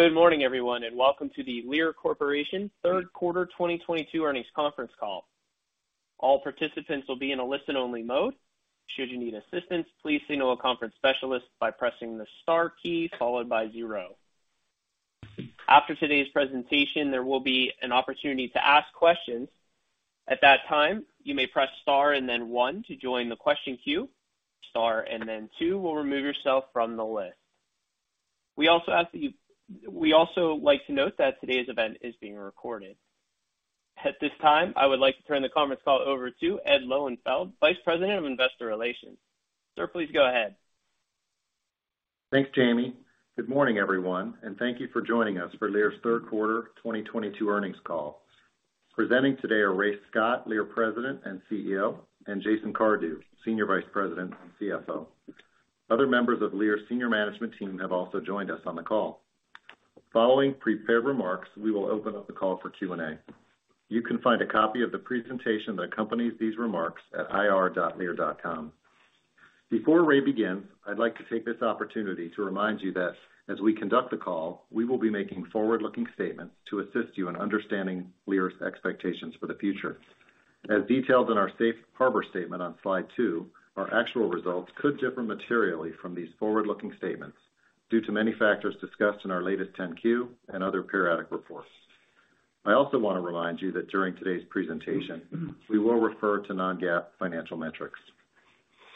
Good morning, everyone, and welcome to the Lear Corporation Third Quarter 2022 Earnings Conference Call. All participants will be in a listen-only mode. Should you need assistance, please signal a conference specialist by pressing the star key followed by 0. After today's presentation, there will be an opportunity to ask questions. At that time, you may press star and then 1 to join the question queue. Star and then 2 will remove yourself from the list. We also like to note that today's event is being recorded. At this time, I would like to turn the conference call over to Ed Lowenfeld, Vice President of Investor Relations. Sir, please go ahead. Thanks, Jamie. Good morning, everyone, and thank you for joining us for Lear's third quarter 2022 earnings call. Presenting today are Ray Scott, Lear President and CEO, and Jason Cardew, Senior Vice President and CFO. Other members of Lear's senior management team have also joined us on the call. Following prepared remarks, we will open up the call for Q&A. You can find a copy of the presentation that accompanies these remarks at ir.lear.com. Before Ray begins, I'd like to take this opportunity to remind you that as we conduct the call, we will be making forward-looking statements to assist you in understanding Lear's expectations for the future. As detailed in our safe harbor statement on slide 2, our actual results could differ materially from these forward-looking statements due to many factors discussed in our latest 10-Q and other periodic reports. I also want to remind you that during today's presentation, we will refer to non-GAAP financial metrics.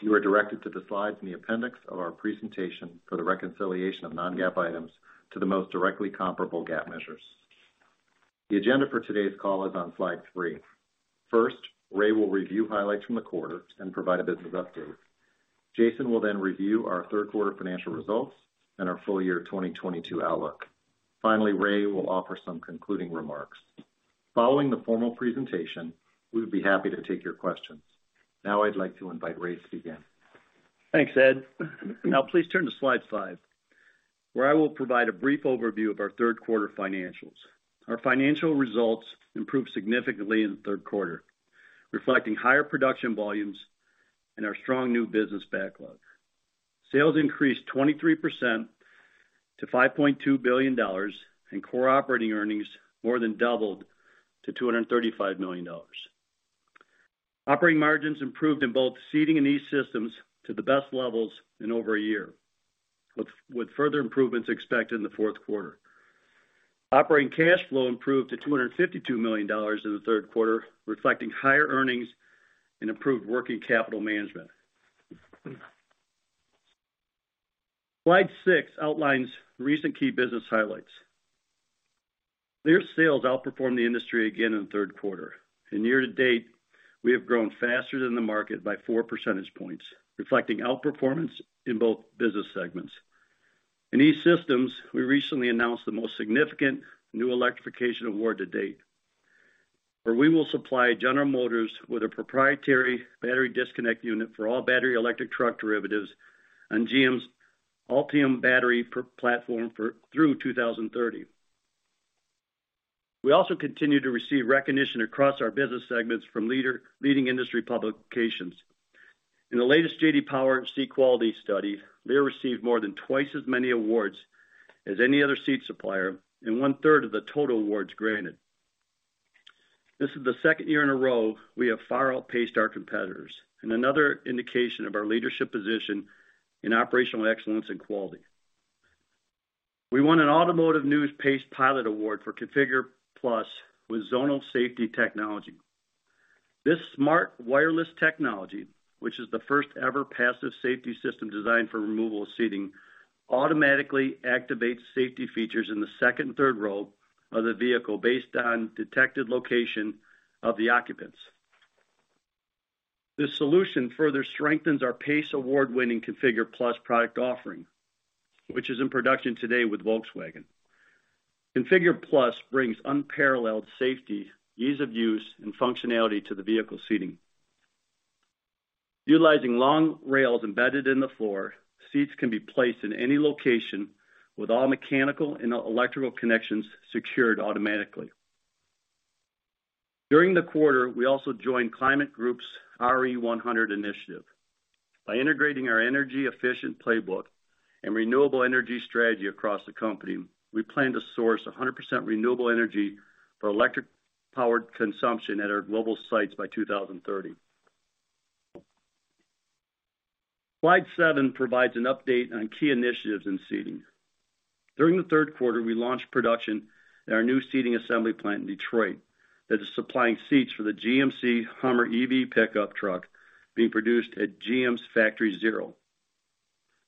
You are directed to the slides in the appendix of our presentation for the reconciliation of non-GAAP items to the most directly comparable GAAP measures. The agenda for today's call is on slide 3. First, Ray will review highlights from the quarter and provide a business update. Jason will then review our third quarter financial results and our full year 2022 outlook. Finally, Ray will offer some concluding remarks. Following the formal presentation, we would be happy to take your questions. Now I'd like to invite Ray to begin. Thanks, Ed. Now please turn to slide 5, where I will provide a brief overview of our third quarter financials. Our financial results improved significantly in the third quarter, reflecting higher production volumes and our strong new business backlog. Sales increased 23% to $5.2 billion, and core operating earnings more than doubled to $235 million. Operating margins improved in both Seating and E-Systems to the best levels in over a year, with further improvements expected in the fourth quarter. Operating cash flow improved to $252 million in the third quarter, reflecting higher earnings and improved working capital management. Slide 6 outlines recent key business highlights. Lear's sales outperformed the industry again in the third quarter. In year-to-date, we have grown faster than the market by 4 percentage points, reflecting outperformance in both business segments. In E-Systems, we recently announced the most significant new electrification award to date, where we will supply General Motors with a proprietary battery disconnect unit for all battery electric truck derivatives on GM's Ultium Battery platform for through 2030. We also continue to receive recognition across our business segments from leading industry publications. In the latest J.D. Power Seat Quality Study, Lear received more than twice as many awards as any other seat supplier and one-third of the total awards granted. This is the second year in a row we have far outpaced our competitors and another indication of our leadership position in operational excellence and quality. We won an Automotive News PACE Pilot Award for ConfigurE+ with Zonal Safety Technology. This smart wireless technology, which is the first ever passive safety system designed for removal of seating, automatically activates safety features in the second and third row of the vehicle based on detected location of the occupants. This solution further strengthens our PACE award-winning ConfigurE+ product offering, which is in production today with Volkswagen. ConfigurE+ brings unparalleled safety, ease of use, and functionality to the vehicle seating. Utilizing long rails embedded in the floor, seats can be placed in any location with all mechanical and electrical connections secured automatically. During the quarter, we also joined Climate Group's RE100 initiative. By integrating our energy efficient playbook and renewable energy strategy across the company, we plan to source 100% renewable energy for electric-powered consumption at our global sites by 2030. Slide 7 provides an update on key initiatives in Seating. During the third quarter, we launched production at our new seating assembly plant in Detroit that is supplying seats for the GMC Hummer EV pickup truck being produced at GM's Factory Zero.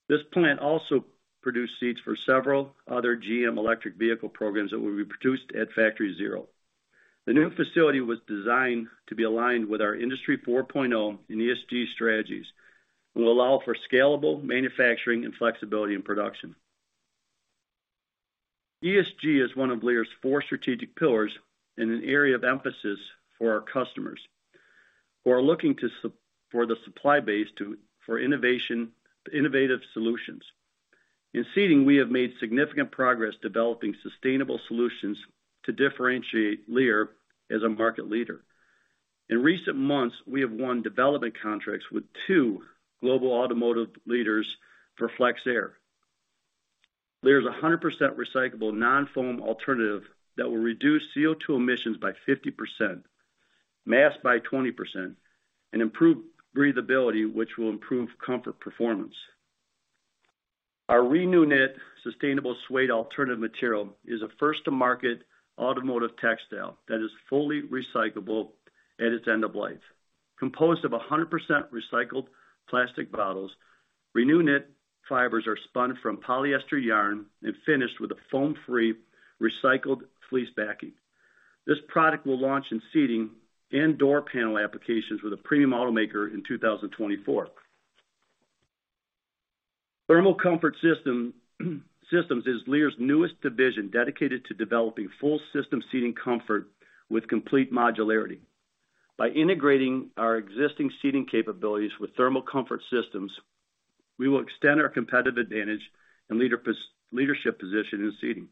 This plant also produced seats for several other GM electric vehicle programs that will be produced at Factory Zero. The new facility was designed to be aligned with our Industry 4.0 and ESG strategies and will allow for scalable manufacturing and flexibility in production. ESG is one of Lear's four strategic pillars and an area of emphasis for our customers who are looking for the supply base to provide innovative solutions. In Seating, we have made significant progress developing sustainable solutions to differentiate Lear as a market leader. In recent months, we have won development contracts with two global automotive leaders for FlexAir. There's a 100% recyclable non-foam alternative that will reduce CO₂ emissions by 50%, mass by 20%, and improve breathability, which will improve comfort performance. Our ReNewKnit sustainable suede alternative material is a first-to-market automotive textile that is fully recyclable at its end of life. Composed of 100% recycled plastic bottles, ReNewKnit fibers are spun from polyester yarn and finished with a foam-free recycled fleece backing. This product will launch in seating and door panel applications with a premium automaker in 2024. Thermal Comfort Systems is Lear's newest division dedicated to developing full system seating comfort with complete modularity. By integrating our existing seating capabilities with thermal comfort systems, we will extend our competitive advantage and leadership position in seating.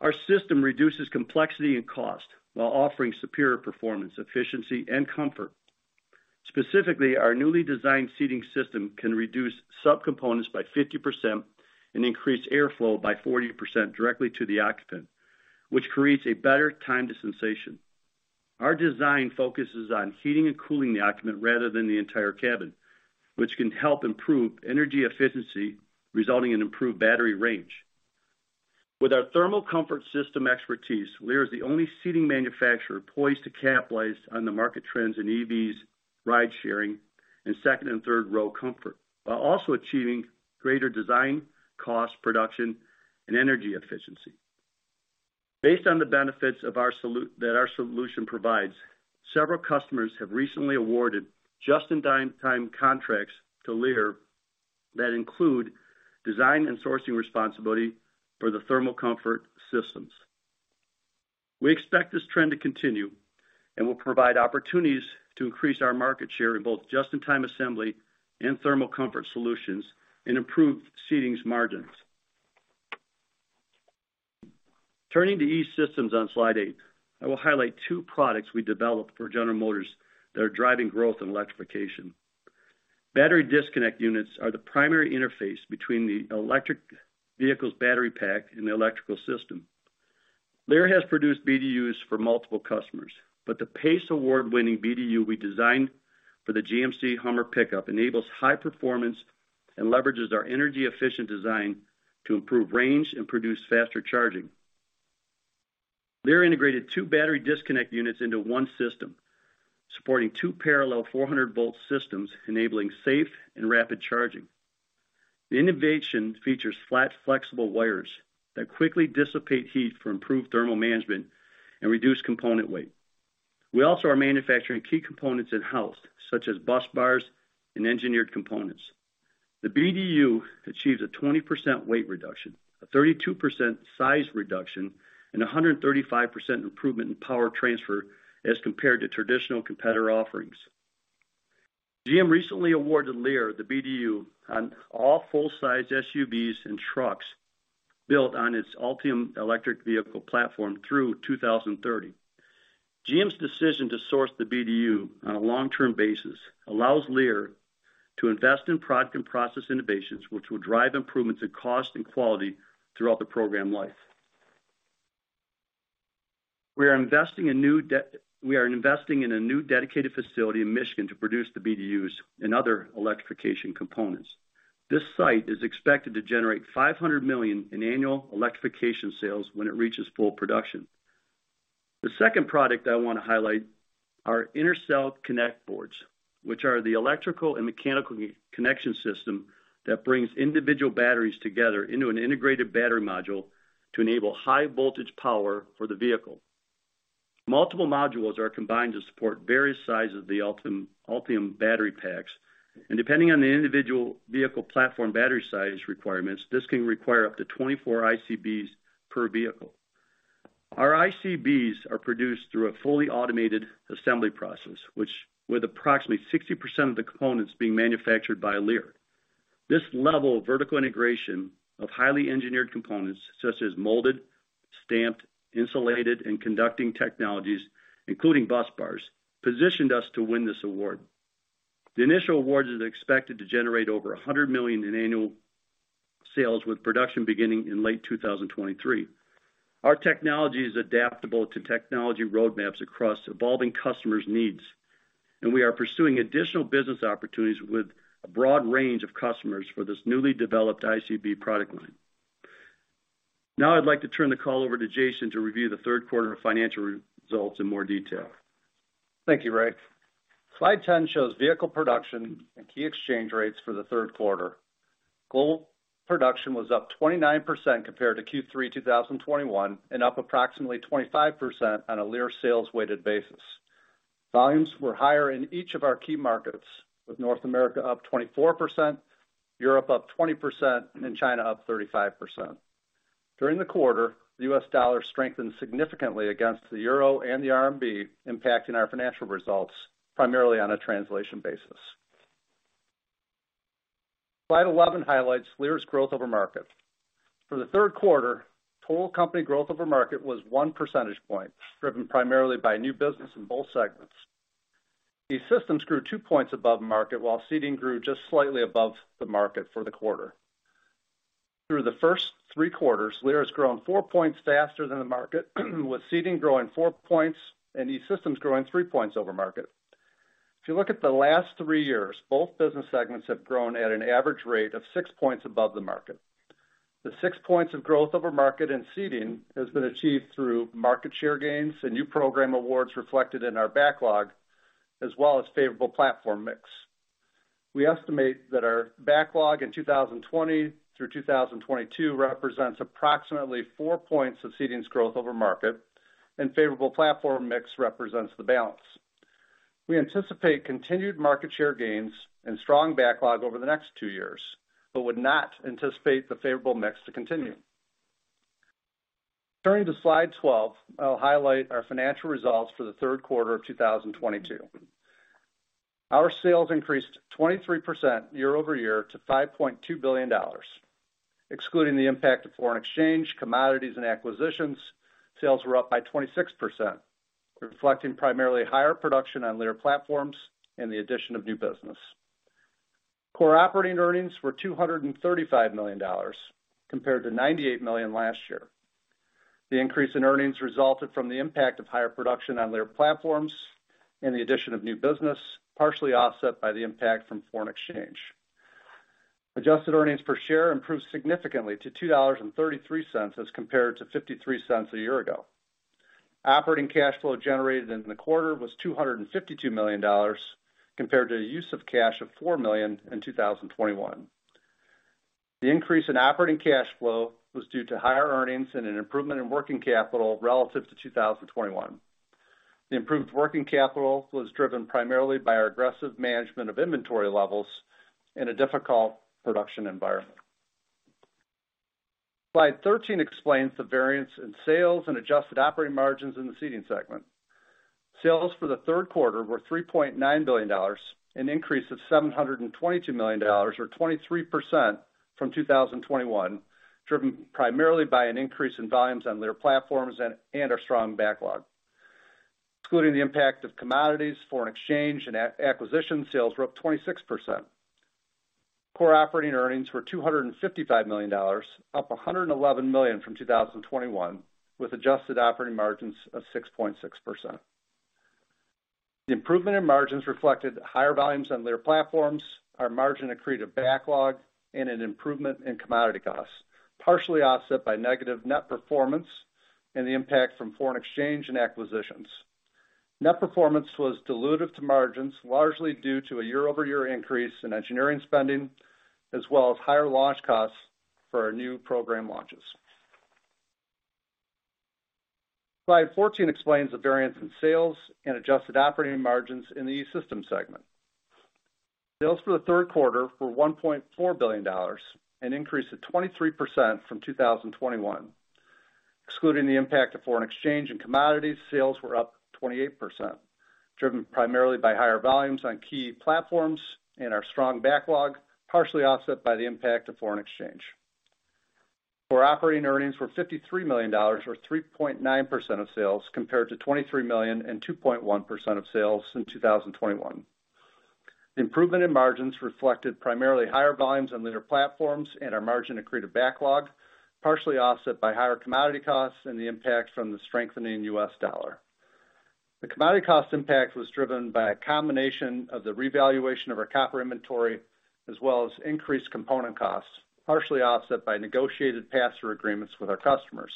Our system reduces complexity and cost while offering superior performance, efficiency, and comfort. Specifically, our newly designed seating system can reduce subcomponents by 50% and increase airflow by 40% directly to the occupant, which creates a better thermal sensation. Our design focuses on heating and cooling the occupant rather than the entire cabin, which can help improve energy efficiency, resulting in improved battery range. With our thermal comfort system expertise, Lear is the only seating manufacturer poised to capitalize on the market trends in EVs, ride-sharing, and second- and third-row comfort, while also achieving greater design, cost, production, and energy efficiency. Based on the benefits that our solution provides, several customers have recently awarded just-in-time contracts to Lear that include design and sourcing responsibility for the thermal comfort systems. We expect this trend to continue and will provide opportunities to increase our market share in both just-in-time assembly and thermal comfort solutions and improve seating's margins. Turning to E-Systems on slide 8, I will highlight two products we developed for General Motors that are driving growth and electrification. Battery disconnect units are the primary interface between the electric vehicle's battery pack and the electrical system. Lear has produced BDUs for multiple customers, but the PACE award-winning BDU we designed for the GMC Hummer pickup enables high performance and leverages our energy-efficient design to improve range and produce faster charging. Lear integrated two battery disconnect units into one system, supporting two parallel 400-volt systems enabling safe and rapid charging. The innovation features flat, flexible wires that quickly dissipate heat for improved thermal management and reduce component weight. We also are manufacturing key components in-house, such as busbars and engineered components. The BDU achieves a 20% weight reduction, a 32% size reduction, and a 135% improvement in power transfer as compared to traditional competitor offerings. GM recently awarded Lear the BDU on all full-size SUVs and trucks built on its Ultium electric vehicle platform through 2030. GM's decision to source the BDU on a long-term basis allows Lear to invest in product and process innovations, which will drive improvements in cost and quality throughout the program life. We are investing in a new dedicated facility in Michigan to produce the BDUs and other electrification components. This site is expected to generate $500 million in annual electrification sales when it reaches full production. The second product I wanna highlight are Intercell Connect Boards, which are the electrical and mechanical connection system that brings individual batteries together into an integrated battery module to enable high voltage power for the vehicle. Multiple modules are combined to support various sizes of the Ultium battery packs, and depending on the individual vehicle platform battery size requirements, this can require up to 24 ICBs per vehicle. Our ICBs are produced through a fully automated assembly process, which, with approximately 60% of the components being manufactured by Lear. This level of vertical integration of highly engineered components such as molded, stamped, insulated, and conducting technologies, including busbars, positioned us to win this award. The initial award is expected to generate over $100 million in annual sales with production beginning in late 2023. Our technology is adaptable to technology roadmaps across evolving customers' needs, and we are pursuing additional business opportunities with a broad range of customers for this newly developed ICB product line. Now I'd like to turn the call over to Jason to review the third quarter financial results in more detail. Thank you, Ray. Slide 10 shows vehicle production and key exchange rates for the third quarter. Global production was up 29% compared to Q3 2021 and up approximately 25% on a Lear sales weighted basis. Volumes were higher in each of our key markets, with North America up 24%, Europe up 20%, and China up 35%. During the quarter, the U.S. dollar strengthened significantly against the euro and the RMB, impacting our financial results primarily on a translation basis. Slide 11 highlights Lear's growth over market. For the third quarter, total company growth over market was 1 percentage point, driven primarily by new business in both segments. E-Systems grew 2 points above market, while Seating grew just slightly above the market for the quarter. Through the first three quarters, Lear has grown 4 points faster than the market with Seating growing 4 points and E-Systems growing 3 points over market. If you look at the last three years, both business segments have grown at an average rate of 6 points above the market. The 6 points of growth over market in Seating has been achieved through market share gains and new program awards reflected in our backlog, as well as favorable platform mix. We estimate that our backlog in 2020 through 2022 represents approximately 4 points of Seating's growth over market and favorable platform mix represents the balance. We anticipate continued market share gains and strong backlog over the next two years, but would not anticipate the favorable mix to continue. Turning to slide 12, I'll highlight our financial results for the third quarter of 2022. Our sales increased 23% year-over-year to $5.2 billion. Excluding the impact of foreign exchange, commodities, and acquisitions, sales were up by 26%, reflecting primarily higher production on Lear platforms and the addition of new business. Core operating earnings were $235 million compared to $98 million last year. The increase in earnings resulted from the impact of higher production on Lear platforms and the addition of new business, partially offset by the impact from foreign exchange. Adjusted earnings per share improved significantly to $2.33 as compared to $0.53 a year ago. Operating cash flow generated in the quarter was $252 million compared to a use of cash of $4 million in 2021. The increase in operating cash flow was due to higher earnings and an improvement in working capital relative to 2021. The improved working capital was driven primarily by our aggressive management of inventory levels in a difficult production environment. Slide 13 explains the variance in sales and adjusted operating margins in the Seating segment. Sales for the third quarter were $3.9 billion, an increase of $722 million or 23% from 2021, driven primarily by an increase in volumes on Lear platforms and our strong backlog. Excluding the impact of commodities, foreign exchange, and acquisitions, sales were up 26%. Core operating earnings were $255 million, up $111 million from 2021, with adjusted operating margins of 6.6%. The improvement in margins reflected higher volumes on Lear platforms, our margin accretive backlog, and an improvement in commodity costs, partially offset by negative net performance and the impact from foreign exchange and acquisitions. Net performance was dilutive to margins, largely due to a year-over-year increase in engineering spending as well as higher launch costs for our new program launches. Slide 14 explains the variance in sales and adjusted operating margins in the E-Systems segment. Sales for the third quarter were $1.4 billion, an increase of 23% from 2021. Excluding the impact of foreign exchange and commodities, sales were up 28%, driven primarily by higher volumes on key platforms and our strong backlog, partially offset by the impact of foreign exchange. Our operating earnings were $53 million or 3.9% of sales, compared to $23 million and 2.1% of sales in 2021. The improvement in margins reflected primarily higher volumes on Lear platforms and our margin accretive backlog, partially offset by higher commodity costs and the impact from the strengthening U.S. dollar. The commodity cost impact was driven by a combination of the revaluation of our copper inventory as well as increased component costs, partially offset by negotiated pass-through agreements with our customers.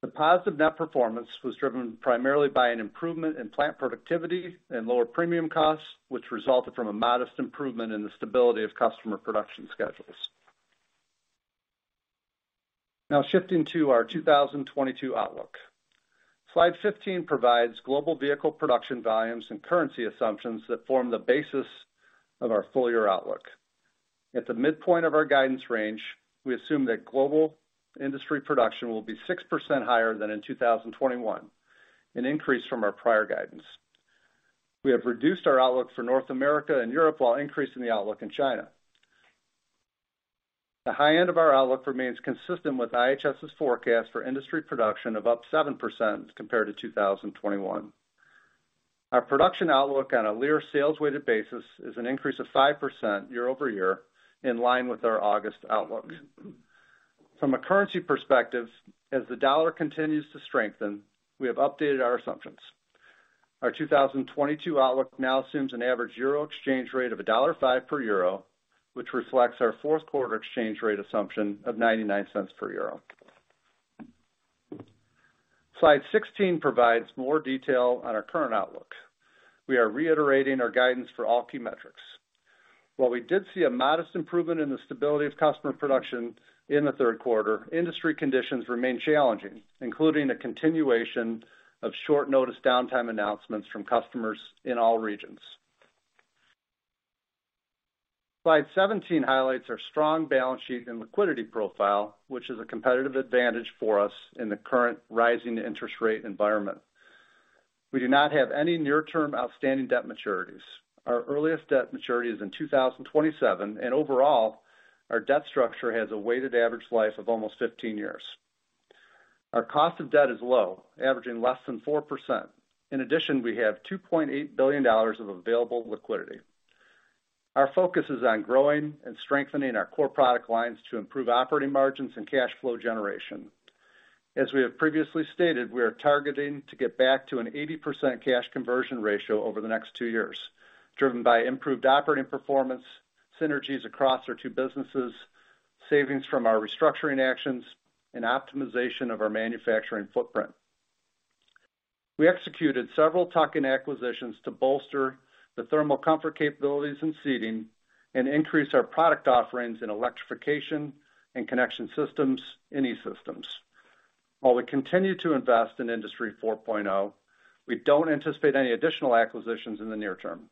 The positive net performance was driven primarily by an improvement in plant productivity and lower premium costs, which resulted from a modest improvement in the stability of customer production schedules. Now shifting to our 2022 outlook. Slide 15 provides global vehicle production volumes and currency assumptions that form the basis of our full year outlook. At the midpoint of our guidance range, we assume that global industry production will be 6% higher than in 2021, an increase from our prior guidance. We have reduced our outlook for North America and Europe while increasing the outlook in China. The high end of our outlook remains consistent with IHS's forecast for industry production of up 7% compared to 2021. Our production outlook on a Lear sales-weighted basis is an increase of 5% year-over-year in line with our August outlook. From a currency perspective, as the dollar continues to strengthen, we have updated our assumptions. Our 2022 outlook now assumes an average euro exchange rate of $1.05 per euro, which reflects our fourth quarter exchange rate assumption of $0.99 per euro. Slide 16 provides more detail on our current outlook. We are reiterating our guidance for all key metrics. While we did see a modest improvement in the stability of customer production in the third quarter, industry conditions remain challenging, including a continuation of short-notice downtime announcements from customers in all regions. Slide 17 highlights our strong balance sheet and liquidity profile, which is a competitive advantage for us in the current rising interest rate environment. We do not have any near-term outstanding debt maturities. Our earliest debt maturity is in 2027, and overall, our debt structure has a weighted average life of almost 15 years. Our cost of debt is low, averaging less than 4%. In addition, we have $2.8 billion of available liquidity. Our focus is on growing and strengthening our core product lines to improve operating margins and cash flow generation. As we have previously stated, we are targeting to get back to an 80% cash conversion ratio over the next two years, driven by improved operating performance, synergies across our two businesses, savings from our restructuring actions and optimization of our manufacturing footprint. We executed several tuck-in acquisitions to bolster the thermal comfort capabilities in Seating and increase our product offerings in Electrification and Connection Systems and E-Systems. While we continue to invest in Industry 4.0, we don't anticipate any additional acquisitions in the near term.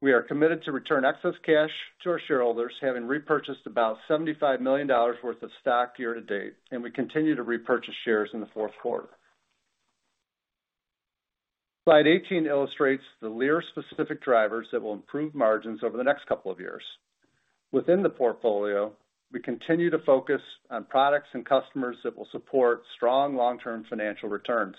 We are committed to return excess cash to our shareholders, having repurchased about $75 million worth of stock year-to-date, and we continue to repurchase shares in the fourth quarter. Slide 18 illustrates the Lear-specific drivers that will improve margins over the next couple of years. Within the portfolio, we continue to focus on products and customers that will support strong long-term financial returns.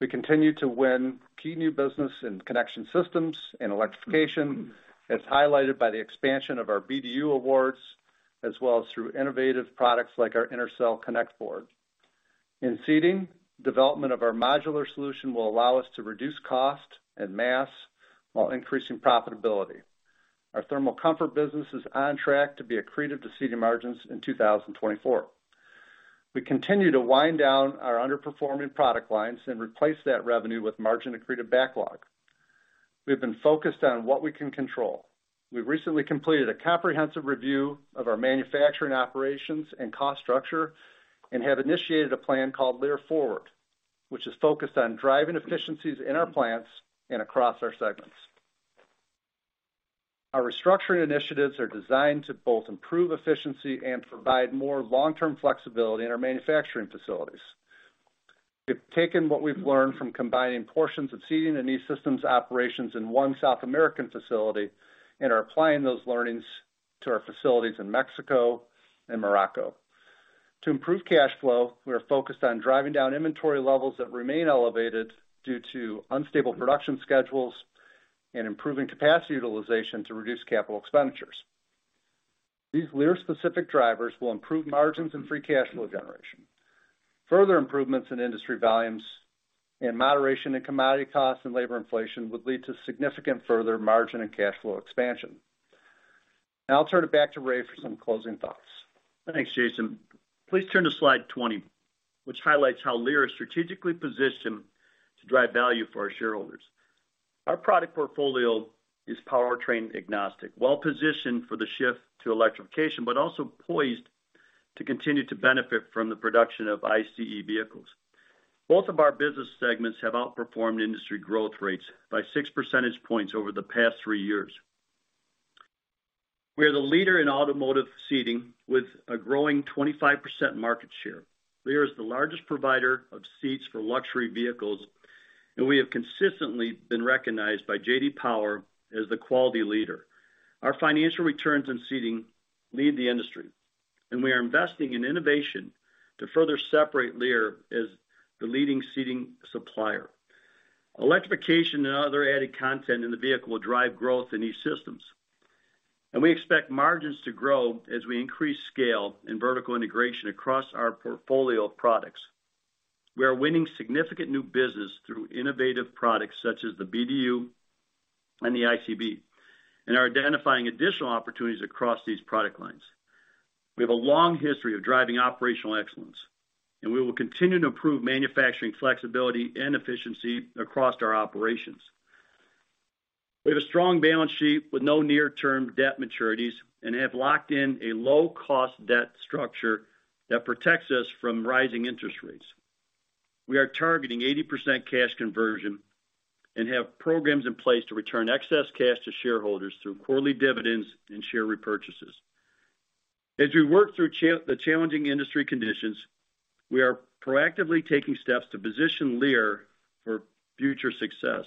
We continue to win key new business in Connection Systems and Electrification, as highlighted by the expansion of our BDU awards, as well as through innovative products like our Intercell Connect Board. In Seating, development of our modular solution will allow us to reduce cost and mass while increasing profitability. Our Thermal Comfort business is on track to be accretive to Seating margins in 2024. We continue to wind down our underperforming product lines and replace that revenue with margin-accretive backlog. We have been focused on what we can control. We recently completed a comprehensive review of our manufacturing operations and cost structure and have initiated a plan called Lear Forward, which is focused on driving efficiencies in our plants and across our segments. Our restructuring initiatives are designed to both improve efficiency and provide more long-term flexibility in our manufacturing facilities. We've taken what we've learned from combining portions of Seating and E-Systems operations in one South American facility and are applying those learnings to our facilities in Mexico and Morocco. To improve cash flow, we are focused on driving down inventory levels that remain elevated due to unstable production schedules and improving capacity utilization to reduce capital expenditures. These Lear-specific drivers will improve margins and free cash flow generation. Further improvements in industry volumes and moderation in commodity costs and labor inflation would lead to significant further margin and cash flow expansion. Now I'll turn it back to Ray for some closing thoughts. Thanks, Jason. Please turn to slide 20, which highlights how Lear is strategically positioned to drive value for our shareholders. Our product portfolio is powertrain agnostic, well-positioned for the shift to electrification, but also poised to continue to benefit from the production of ICE vehicles. Both of our business segments have outperformed industry growth rates by 6 percentage points over the past three years. We are the leader in automotive seating with a growing 25% market share. Lear is the largest provider of seats for luxury vehicles, and we have consistently been recognized by J.D. Power as the quality leader. Our financial returns in seating lead the industry, and we are investing in innovation to further separate Lear as the leading seating supplier. Electrification and other added content in the vehicle will drive growth in E-Systems, and we expect margins to grow as we increase scale and vertical integration across our portfolio of products. We are winning significant new business through innovative products such as the BDU and the ICB and are identifying additional opportunities across these product lines. We have a long history of driving operational excellence, and we will continue to improve manufacturing flexibility and efficiency across our operations. We have a strong balance sheet with no near-term debt maturities and have locked in a low-cost debt structure that protects us from rising interest rates. We are targeting 80% cash conversion and have programs in place to return excess cash to shareholders through quarterly dividends and share repurchases. As we work through the challenging industry conditions, we are proactively taking steps to position Lear for future success.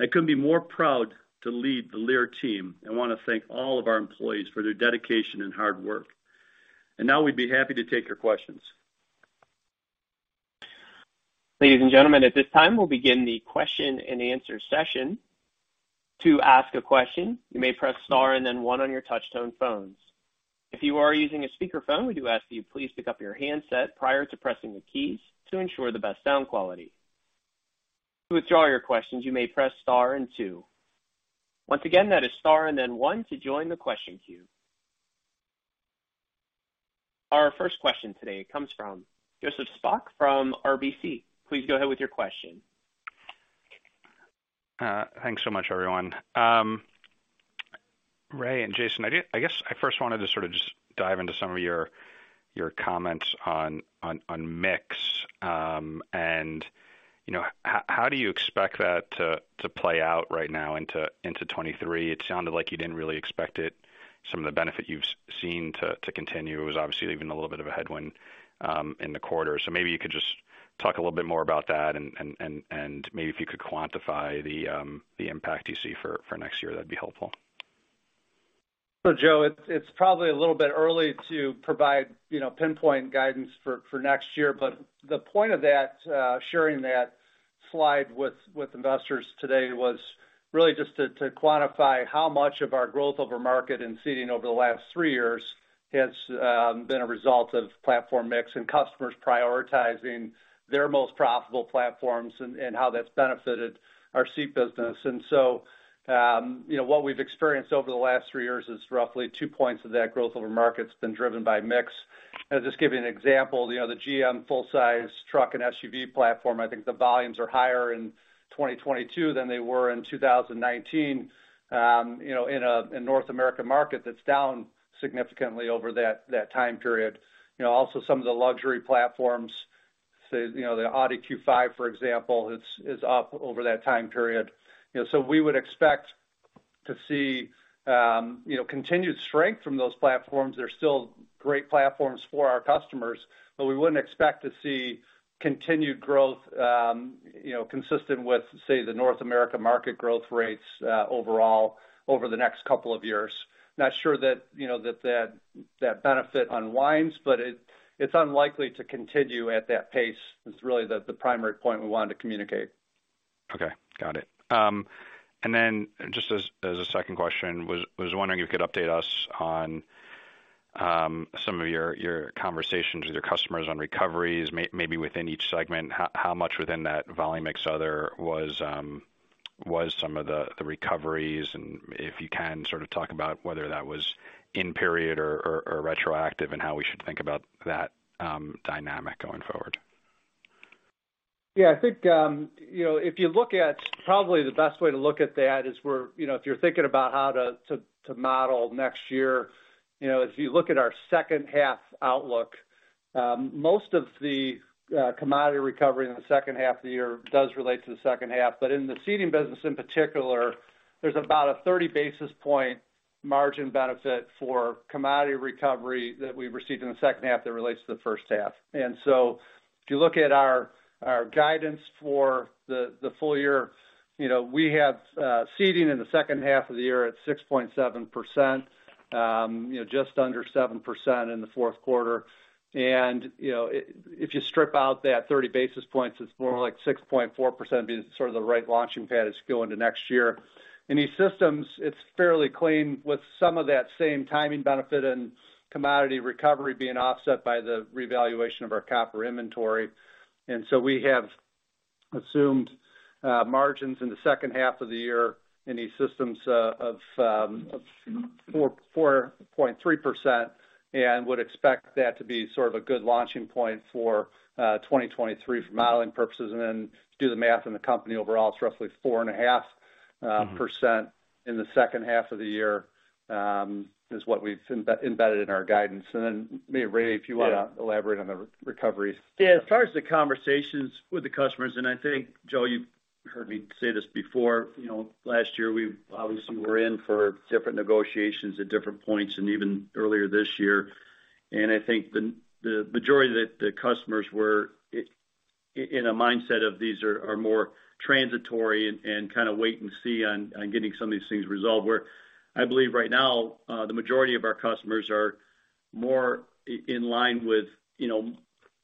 I couldn't be more proud to lead the Lear team and want to thank all of our employees for their dedication and hard work. Now we'd be happy to take your questions. Ladies and gentlemen, at this time, we'll begin the question-and-answer session. To ask a question, you may press star and then 1 on your touch-tone phones. If you are using a speakerphone, we do ask that you please pick up your handset prior to pressing the keys to ensure the best sound quality. To withdraw your questions, you may press star and 2. Once again, that is star and then 1 to join the question queue. Our first question today comes from Joseph Spak from RBC. Please go ahead with your question. Thanks so much, everyone. Ray and Jason, I guess I first wanted to sort of just dive into some of your comments on mix. You know, how do you expect that to play out right now into 2023? It sounded like you didn't really expect it, some of the benefit you've seen to continue. It was obviously even a little bit of a headwind in the quarter. Maybe you could just talk a little bit more about that and maybe if you could quantify the impact you see for next year, that'd be helpful. Joseph, it's probably a little bit early to provide, you know, pinpoint guidance for next year, but the point of that sharing that slide with investors today was really just to quantify how much of our growth over market and seating over the last three years has been a result of platform mix and customers prioritizing their most profitable platforms and how that's benefited our seat business. You know, what we've experienced over the last three years is roughly 2 points of that growth over market's been driven by mix. To just give you an example, you know, the GM full size truck and SUV platform, I think the volumes are higher in 2022 than they were in 2019, you know, in the North American market that's down significantly over that time period. You know, also some of the luxury platforms, say, you know, the Audi Q5, for example, is up over that time period. You know, so we would expect to see, you know, continued strength from those platforms. They're still great platforms for our customers, but we wouldn't expect to see continued growth, you know, consistent with, say, the North America market growth rates, overall over the next couple of years. Not sure that, you know, that benefit unwinds, but it's unlikely to continue at that pace. It's really the primary point we wanted to communicate. Okay, got it. Just as a second question, was wondering if you could update us on some of your conversations with your customers on recoveries maybe within each segment, how much within that volume mix other was some of the recoveries, and if you can sort of talk about whether that was in period or retroactive and how we should think about that dynamic going forward. Yeah, I think, you know, if you look at probably the best way to look at that is where, you know, if you're thinking about how to model next year, you know, if you look at our second half outlook, most of the commodity recovery in the second half of the year does relate to the second half. In the Seating business in particular, there's about a 30 basis point margin benefit for commodity recovery that we received in the second half that relates to the first half. If you look at our guidance for the full year, you know, we have seating in the second half of the year at 6.7%, you know, just under 7% in the fourth quarter. You know, if you strip out that 30 basis points, it's more like 6.4% being sort of the right launching pad as you go into next year. In E-Systems, it's fairly clean with some of that same timing benefit and commodity recovery being offset by the revaluation of our copper inventory. We have assumed margins in the second half of the year in E-Systems of 4.3%, and would expect that to be sort of a good launching point for 2023 for modeling purposes. Do the math in the company overall, it's roughly 4.5% in the second half of the year is what we've embedded in our guidance. Maybe Ray, if you want to elaborate on the recoveries. Yeah. As far as the conversations with the customers, and I think, Joe, you've heard me say this before, you know, last year we obviously were in for different negotiations at different points and even earlier this year. I think the majority that the customers were in a mindset of these are more transitory and kind of wait and see on getting some of these things resolved. Where I believe right now, the majority of our customers are more in line with, you know,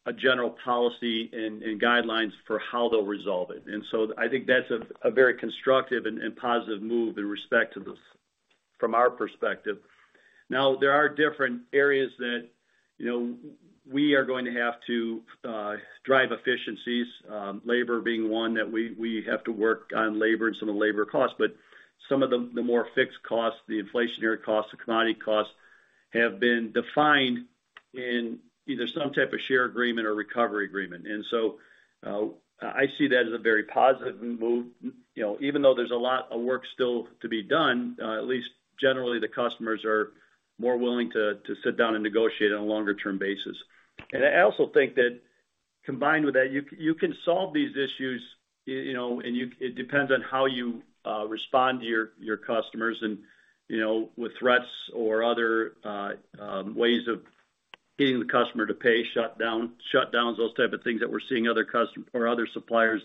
a general policy and guidelines for how they'll resolve it. I think that's a very constructive and positive move in respect to this from our perspective. Now, there are different areas that, you know, we are going to have to drive efficiencies, labor being one that we have to work on labor and some of the labor costs. Some of the more fixed costs, the inflationary costs, the commodity costs have been defined in either some type of share agreement or recovery agreement. I see that as a very positive move. You know, even though there's a lot of work still to be done, at least generally, the customers are more willing to sit down and negotiate on a longer term basis. I also think that combined with that, you can solve these issues, you know. It depends on how you respond to your customers and, you know, with threats or other ways of getting the customer to pay, shutdowns, those type of things that we're seeing other suppliers,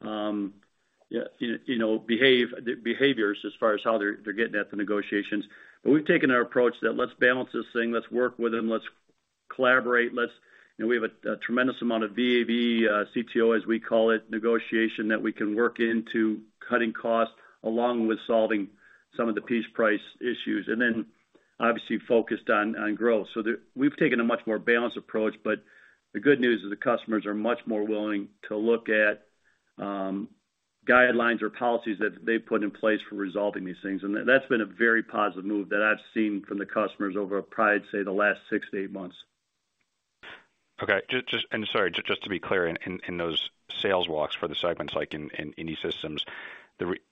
you know, behaviors as far as how they're getting at the negotiations. We've taken our approach that let's balance this thing, let's work with them, let's collaborate. You know, we have a tremendous amount of VA/VE, CTO, as we call it, negotiation that we can work into cutting costs along with solving some of the piece price issues, and then obviously focused on growth. We've taken a much more balanced approach, but the good news is the customers are much more willing to look at guidelines or policies that they put in place for resolving these things. That's been a very positive move that I've seen from the customers over probably, I'd say, the last 6-8 months. Okay. Sorry, just to be clear, in those sales walks for the segments, like in E-Systems,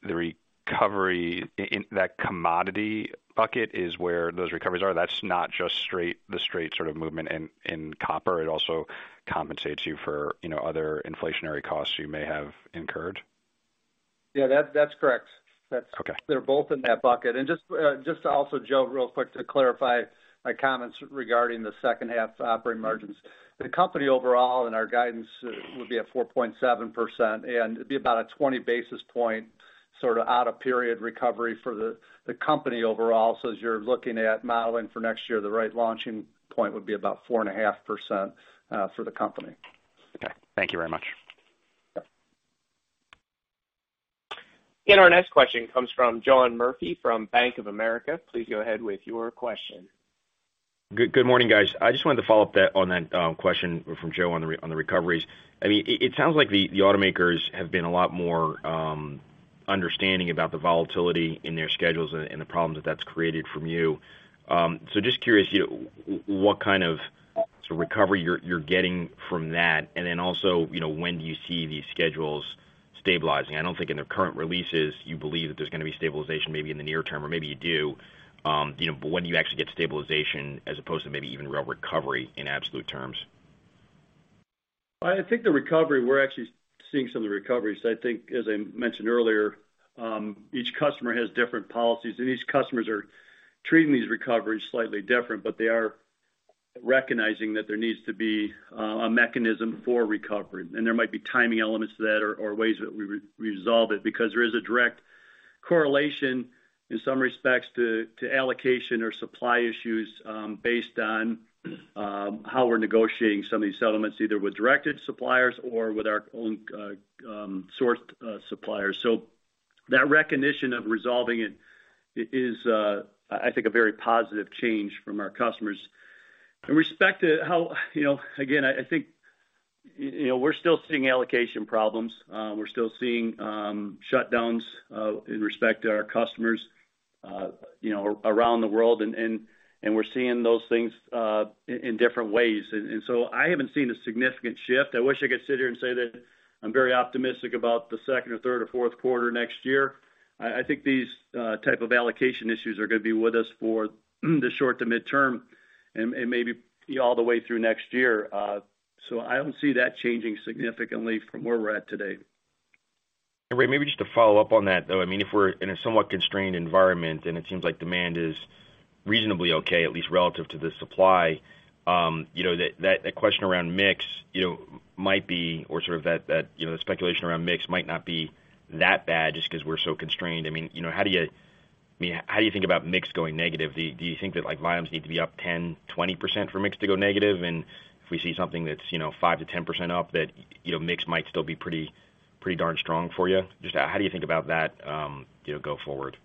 the recovery in that commodity bucket is where those recoveries are. That's not just the straight sort of movement in copper. It also compensates you for, you know, other inflationary costs you may have incurred? Yeah, that's correct. Okay. They're both in that bucket. Just also, Joe, real quick to clarify my comments regarding the second half operating margins. The company overall and our guidance would be at 4.7%, and it'd be about a 20 basis point sort of out of period recovery for the company overall. As you're looking at modeling for next year, the right launching point would be about 4.5% for the company. Okay. Thank you very much. Yeah. Our next question comes from John Murphy from Bank of America. Please go ahead with your question. Good morning, guys. I just wanted to follow up on that question from Joe on the recoveries. I mean, it sounds like the automakers have been a lot more understanding about the volatility in their schedules and the problems that that's created for you. So just curious, you know, what kind of sort of recovery you're getting from that. Also, you know, when do you see these schedules stabilizing? I don't think in their current releases you believe that there's gonna be stabilization maybe in the near term or maybe you do. You know, when do you actually get stabilization as opposed to maybe even real recovery in absolute terms? I think the recovery, we're actually seeing some of the recoveries. I think, as I mentioned earlier, each customer has different policies, and each customers are treating these recoveries slightly different, but they are recognizing that there needs to be a mechanism for recovery. There might be timing elements to that or ways that we resolve it because there is a direct correlation in some respects to allocation or supply issues based on how we're negotiating some of these settlements, either with directed suppliers or with our own sourced suppliers. That recognition of resolving it is, I think, a very positive change from our customers. In respect to how, you know, again, I think, you know, we're still seeing allocation problems. We're still seeing shutdowns in respect to our customers, you know, around the world. We're seeing those things in different ways. I haven't seen a significant shift. I wish I could sit here and say that I'm very optimistic about the second or third or fourth quarter next year. I think these type of allocation issues are gonna be with us for the short to midterm and maybe all the way through next year. I don't see that changing significantly from where we're at today. Ray, maybe just to follow up on that, though, I mean, if we're in a somewhat constrained environment, and it seems like demand is reasonably okay, at least relative to the supply, you know, that question around mix, you know, might be or sort of that, you know, the speculation around mix might not be that bad just 'cause we're so constrained. I mean, you know, how do you think about mix going negative? Do you think that like volumes need to be up 10%, 20% for mix to go negative? And if we see something that's, you know, 5%-10% up that, you know, mix might still be pretty darn strong for you. Just how do you think about that, you know, go forward?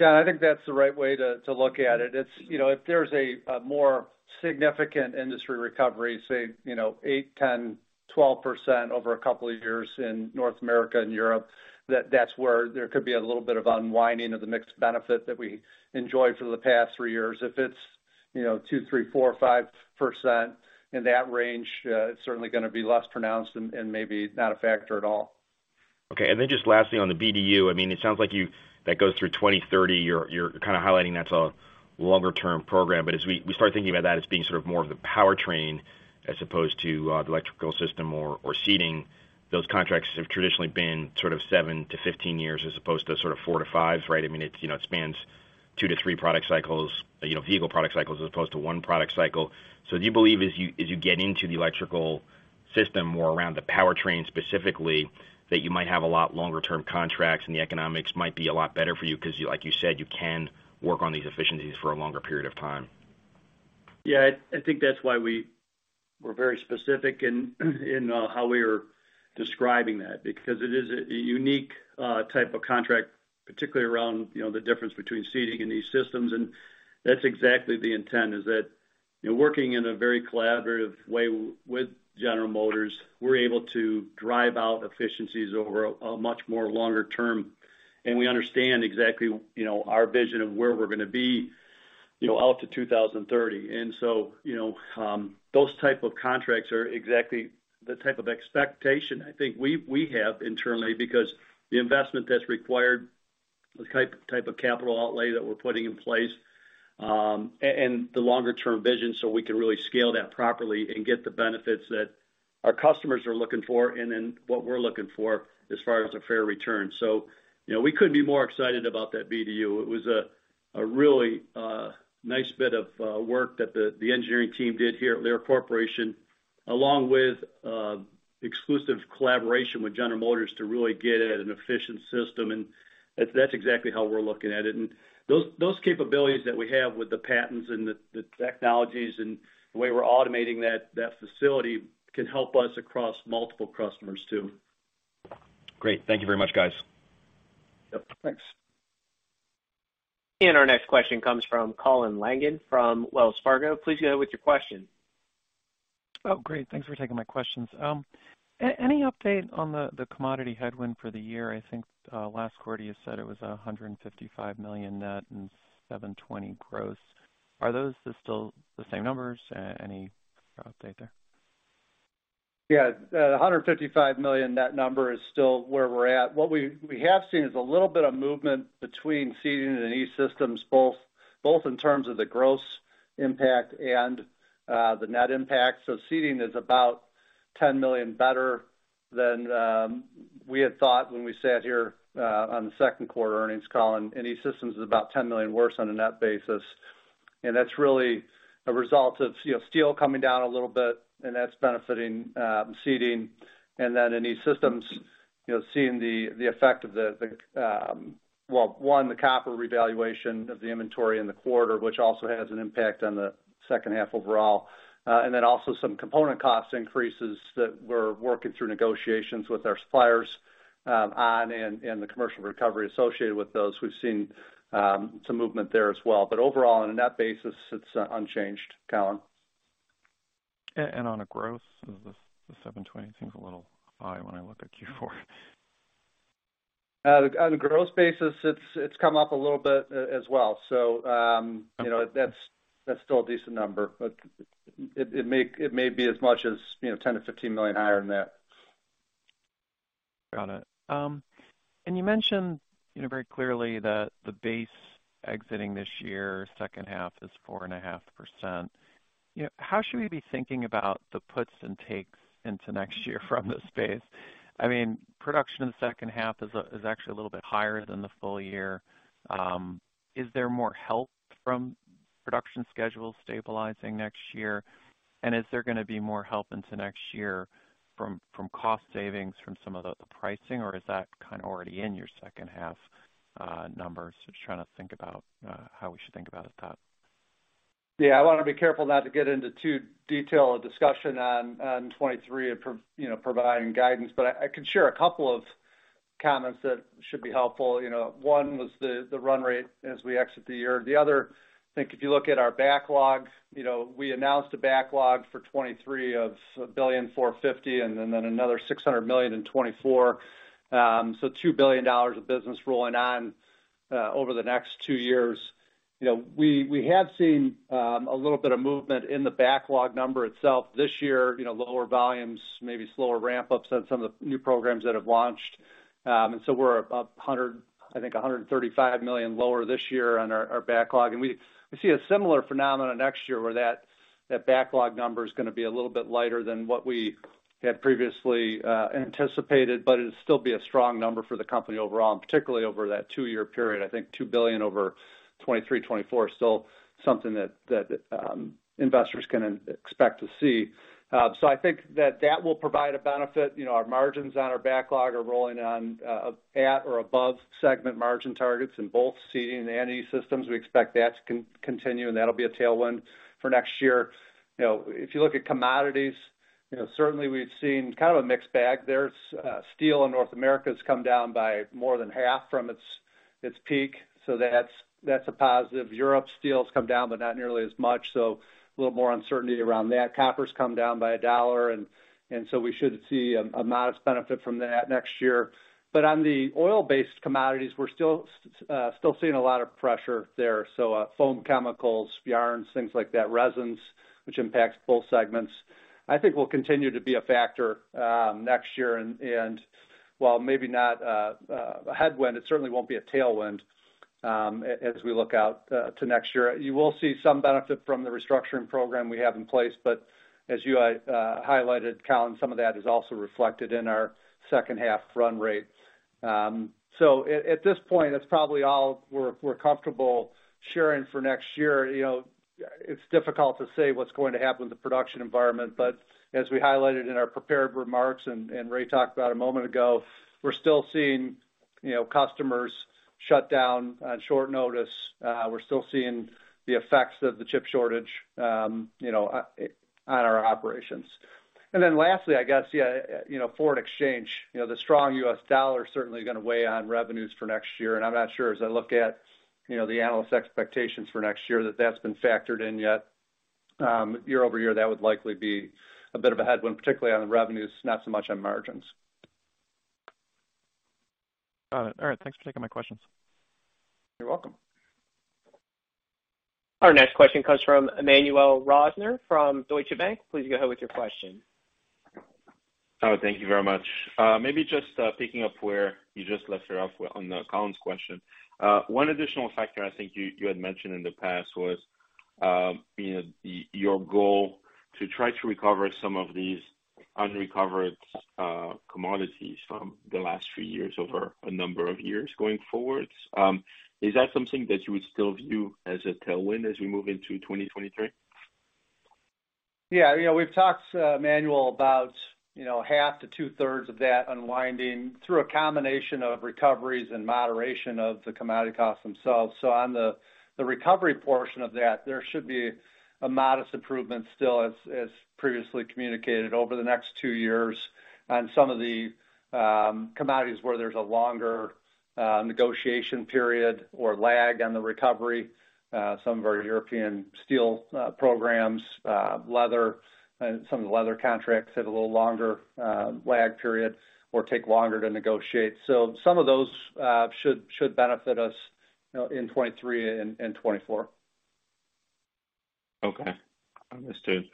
Yeah, I think that's the right way to look at it. It's, you know, if there's a more significant industry recovery, say, you know, 8%, 10%, 12% over a couple of years in North America and Europe, that's where there could be a little bit of unwinding of the mixed benefit that we enjoyed for the past three years. If it's, you know, 2%, 3%, 4%, 5% in that range, it's certainly gonna be less pronounced and maybe not a factor at all. Okay. Just lastly, on the BDU, I mean, it sounds like you, that goes through 2030. You're kind of highlighting that's a longer-term program, but as we start thinking about that as being sort of more of the powertrain as opposed to the electrical system or seating, those contracts have traditionally been sort of 7-15 years as opposed to sort of 4-5, right? I mean, it, you know, it spans 2-3 product cycles, you know, vehicle product cycles as opposed to one product cycle. Do you believe as you get into the electrical system or around the powertrain specifically, that you might have a lot longer term contracts and the economics might be a lot better for you 'cause you, like you said, you can work on these efficiencies for a longer period of time? Yeah. I think that's why we were very specific in how we were describing that because it is a unique type of contract, particularly around, you know, the difference between Seating and these systems. That's exactly the intent, is that, you know, working in a very collaborative way with General Motors, we're able to drive out efficiencies over a much more longer term. We understand exactly, you know, our vision of where we're gonna be, you know, out to 2030. Those type of contracts are exactly the type of expectation I think we have internally because the investment that's required, the type of capital outlay that we're putting in place, and the longer term vision, so we can really scale that properly and get the benefits that our customers are looking for and then what we're looking for as far as a fair return. We couldn't be more excited about that BDU. It was a really nice bit of work that the engineering team did here at Lear Corporation, along with exclusive collaboration with General Motors to really get at an efficient system. That's exactly how we're looking at it. Those capabilities that we have with the patents and the technologies and the way we're automating that facility can help us across multiple customers too. Great. Thank you very much, guys. Yep. Thanks. Our next question comes from Colin Langan from Wells Fargo. Please go ahead with your question. Oh, great. Thanks for taking my questions. Any update on the commodity headwind for the year? I think last quarter you said it was $155 million net and $720 million gross. Are those just still the same numbers? Any update there? Yeah. The $155 million net number is still where we're at. What we have seen is a little bit of movement between Seating and E-Systems both in terms of the gross Impact and the net impact. Seating is about $10 million better than we had thought when we sat here on the second quarter earnings call. E-Systems is about $10 million worse on a net basis. That's really a result of, you know, steel coming down a little bit, and that's benefiting Seating. Then E-Systems, you know, seeing the effect of the copper revaluation of the inventory in the quarter, which also has an impact on the second half overall. Then also some component cost increases that we're working through negotiations with our suppliers on and the commercial recovery associated with those. We've seen some movement there as well. But overall, on a net basis, it's unchanged, Colin Langan. On a gross, the 7.20 seems a little high when I look at Q4. On a gross basis, it's come up a little bit as well. You know, that's still a decent number, but it may be as much as, you know, $10 million-$15 million higher than that. Got it. And you mentioned, you know, very clearly that the base exiting this year, second half is 4.5%. You know, how should we be thinking about the puts and takes into next year from this space? I mean, production in the second half is actually a little bit higher than the full year. Is there more help from production schedule stabilizing next year? And is there gonna be more help into next year from cost savings from some of the pricing, or is that kind of already in your second half numbers? Just trying to think about how we should think about that. Yeah, I wanna be careful not to get into too detailed a discussion on 2023, you know, providing guidance, but I can share a couple of comments that should be helpful. You know, one was the run rate as we exit the year. The other, I think if you look at our backlog, you know, we announced a backlog for 2023 of $1.450 billion, and then another $600 million in 2024. $2 billion of business rolling on over the next two years. You know, we have seen a little bit of movement in the backlog number itself this year. You know, lower volumes, maybe slower ramp-ups on some of the new programs that have launched. We're about 100, I think $135 million lower this year on our backlog. We see a similar phenomenon next year where that backlog number is gonna be a little bit lighter than what we had previously anticipated, but it'll still be a strong number for the company overall, and particularly over that two-year period. I think $2 billion over 2023, 2024 is still something that investors can expect to see. So I think that that will provide a benefit. You know, our margins on our backlog are rolling on at or above segment margin targets in both Seating and E-Systems. We expect that to continue, and that'll be a tailwind for next year. You know, if you look at commodities, you know, certainly we've seen kind of a mixed bag. There's steel in North America has come down by more than half from its peak, so that's a positive. Europe steel's come down, but not nearly as much, so a little more uncertainty around that. Copper's come down by a dollar and so we should see a modest benefit from that next year. But on the oil-based commodities, we're still seeing a lot of pressure there. Foam chemicals, yarns, things like that, resins, which impacts both segments. I think we'll continue to be a factor next year and while maybe not a headwind, it certainly won't be a tailwind, as we look out to next year. You will see some benefit from the restructuring program we have in place, but as you highlighted, Colin Langan, some of that is also reflected in our second half run rate. At this point, that's probably all we're comfortable sharing for next year. You know, it's difficult to say what's going to happen with the production environment, but as we highlighted in our prepared remarks and Ray talked about a moment ago, we're still seeing, you know, customers shut down on short notice. We're still seeing the effects of the chip shortage, you know, on our operations. Lastly, I guess, yeah, you know, foreign exchange. You know, the strong U.S. dollar is certainly gonna weigh on revenues for next year, and I'm not sure as I look at, you know, the analyst expectations for next year that that's been factored in yet. Year-over-year, that would likely be a bit of a headwind, particularly on the revenues, not so much on margins. Got it. All right. Thanks for taking my questions. You're welcome. Our next question comes from Emmanuel Rosner from Deutsche Bank. Please go ahead with your question. Oh, thank you very much. Maybe just picking up where you just left it off on Colin Langan's question. One additional factor I think you had mentioned in the past was, you know, your goal to try to recover some of these unrecovered commodities from the last few years over a number of years going forward. Is that something that you would still view as a tailwind as we move into 2023? Yeah. You know, we've talked, Emmanuel, about, you know, half to two-thirds of that unwinding through a combination of recoveries and moderation of the commodity costs themselves. On the recovery portion of that, there should be a modest improvement still, as previously communicated over the next two years on some of the commodities where there's a longer negotiation period or lag on the recovery. Some of our European steel programs, leather, some of the leather contracts have a little longer lag period or take longer to negotiate. Some of those should benefit us, you know, in 2023 and 2024. Okay. Understood.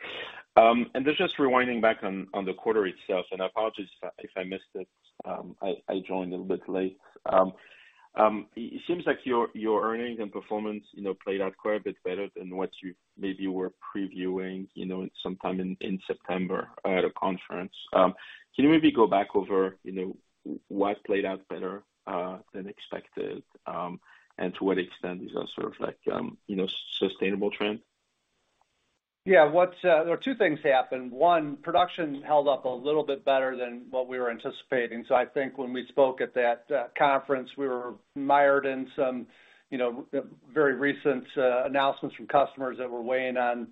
Just rewinding back on the quarter itself, apologies if I missed it, I joined a little bit late. It seems like your earnings and performance, you know, played out quite a bit better than what you maybe were previewing, you know, sometime in September at a conference. Can you maybe go back over, you know, what played out better than expected, and to what extent is that sort of like, you know, sustainable trend? There are two things happened. One, production held up a little bit better than what we were anticipating. I think when we spoke at that conference, we were mired in some, you know, very recent announcements from customers that were weighing on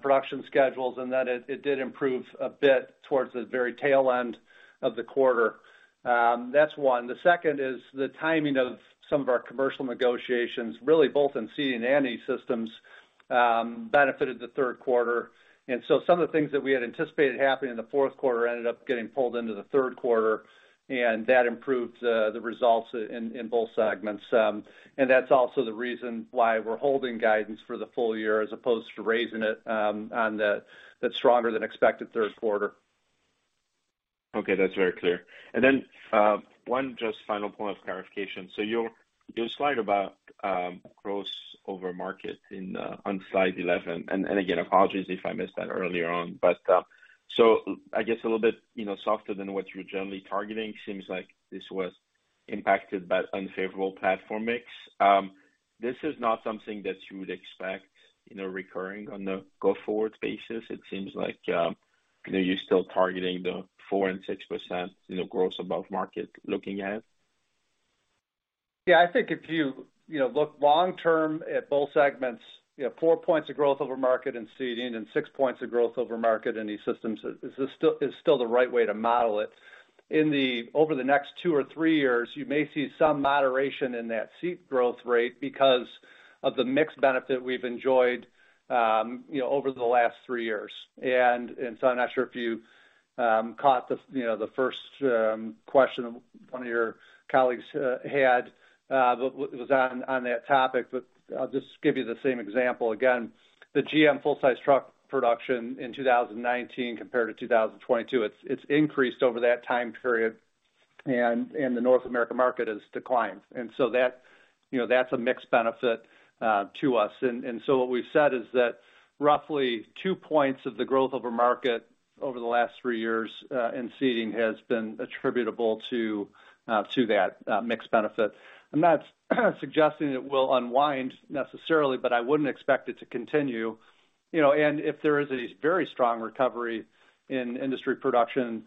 production schedules, and that it did improve a bit towards the very tail end of the quarter. That's one. The second is the timing of some of our commercial negotiations, really both in Seating and E-Systems, benefited the third quarter. Some of the things that we had anticipated happening in the fourth quarter ended up getting pulled into the third quarter, and that improved the results in both segments. That's also the reason why we're holding guidance for the full year as opposed to raising it on the stronger than expected third quarter. Okay, that's very clear. One just final point of clarification. Your slide about growth over market on slide 11, and again, apologies if I missed that earlier on. I guess a little bit, you know, softer than what you're generally targeting. Seems like this was impacted by unfavorable platform mix. This is not something that you would expect, you know, recurring on a go-forward basis. It seems like, you know, you're still targeting the 4% and 6%, you know, growth above market looking ahead. Yeah, I think if you know, look long-term at both segments, you know, 4 points of growth over market in Seating and 6 points of growth over market in E-Systems is still the right way to model it. Over the next two or three years, you may see some moderation in that seat growth rate because of the mix benefit we've enjoyed, you know, over the last three years. I'm not sure if you caught the, you know, the first question one of your colleagues had, which was on that topic, but I'll just give you the same example again. The GM full-size truck production in 2019 compared to 2022, it's increased over that time period and the North America market has declined. That, you know, that's a mixed benefit to us. What we've said is that roughly 2 points of the growth of a market over the last three years in Seating has been attributable to that mixed benefit. I'm not suggesting it will unwind necessarily, but I wouldn't expect it to continue. You know, if there is a very strong recovery in industry production,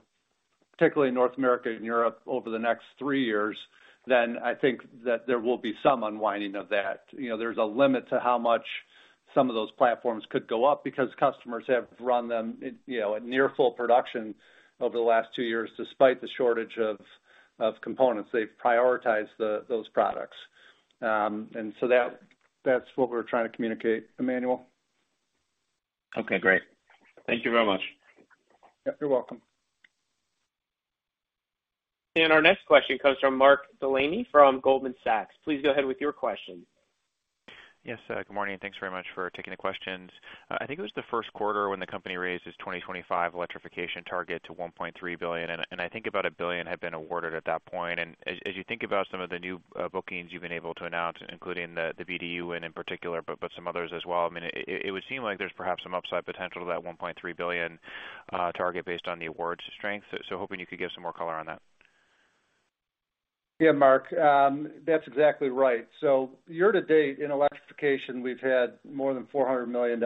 particularly in North America and Europe over the next three years, then I think that there will be some unwinding of that. You know, there's a limit to how much some of those platforms could go up because customers have run them, you know, at near full production over the last two years, despite the shortage of components. They've prioritized those products. That, that's what we're trying to communicate, Emmanuel. Okay, great. Thank you very much. Yep, you're welcome. Our next question comes from Mark Delaney from Goldman Sachs. Please go ahead with your question. Yes, good morning, and thanks very much for taking the questions. I think it was the first quarter when the company raised its 2025 electrification target to $1.3 billion, and I think about $1 billion had been awarded at that point. As you think about some of the new bookings you've been able to announce, including the BDU in particular, but some others as well, I mean, it would seem like there's perhaps some upside potential to that $1.3 billion target based on the awards strength. Hoping you could give some more color on that. Yeah, Mark. That's exactly right. Year to date in electrification, we've had more than $400 million